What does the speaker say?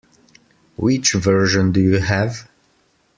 Which version do you have?